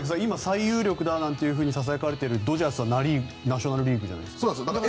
最有力だとささやかれているドジャースはナショナル・リーグですよね？